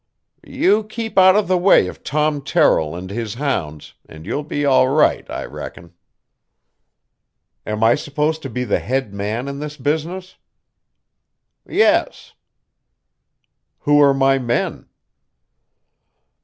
"You keep out of the way of Tom Terrill and his hounds, and you'll be all right, I reckon." "Am I supposed to be the head man in this business?" "Yes." "Who are my men?"